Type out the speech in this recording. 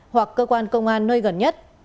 hoặc cơ quan công an nơi gần nhất